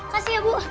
kasih ya bu